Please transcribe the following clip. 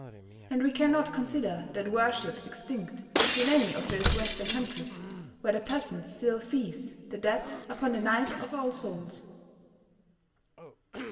And we cannot consider that worship extinct in any of those Western countries where the peasants still feast their dead upon the Night of All Souls.